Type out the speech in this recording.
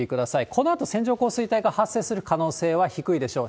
このあと線状降水帯が発生する可能性は低いでしょう。